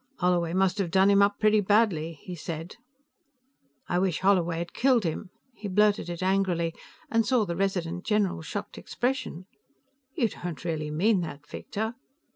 "Holloway must have done him up pretty badly," he said. "I wish Holloway'd killed him!" He blurted it angrily, and saw the Resident General's shocked expression. "You don't really mean that, Victor?"